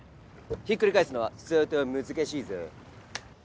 ひっくり返すのは相当難しいぞ。